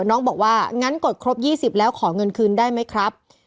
น้องบอกว่างั้นกดครบ๒๐แล้วขอเงินคืนได้ไหมครับ